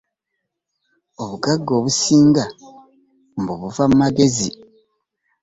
Obugagga obusinga mbu buva mu magezi.